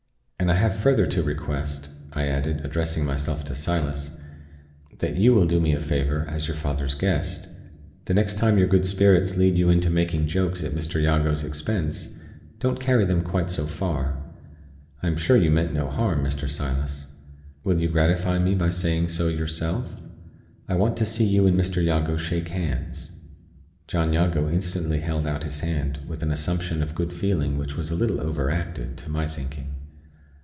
And I have further to request," I added, addressing myself to Silas, "that you will do me a favor, as your father's guest. The next time your good spirits lead you into making jokes at Mr. Jago's expense, don't carry them quite so far. I am sure you meant no harm, Mr. Silas. Will you gratify me by saying so yourself? I want to see you and Mr. Jago shake hands." John Jago instantly held out his hand, with an assumption of good feeling which was a little overacted, to my thinking.